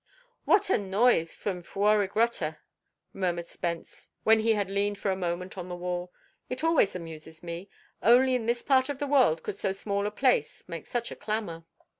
"What a noise from Fuorigrotta!" murmured Spence, when he had leaned for a moment on the wall. "It always amuses me. Only in this part of the world could so small a place make such a clamour."